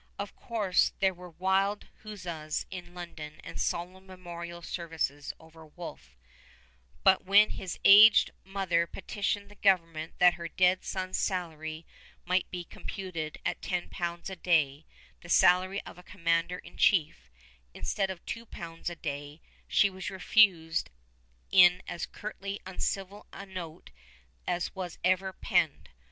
Of course there were wild huzzas in London and solemn memorial services over Wolfe; but when his aged mother petitioned the government that her dead son's salary might be computed at 10 pounds a day, the salary of a commander in chief, instead of 2 pounds a day, she was refused in as curtly uncivil a note as was ever penned.